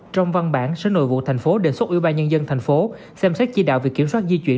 trong văn bản sở nội vụ tp hcm đề xuất ủy ban nhân dân thành phố xem xét chỉ đạo việc kiểm soát di chuyển